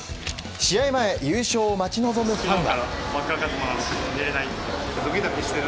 試合前優勝を待ち望むファンは。